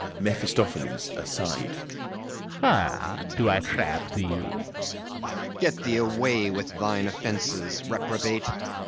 MEPHISTOPHELES (aside) Ha! do I trap thee! FAUST Get thee away with thine offences, Reprobate!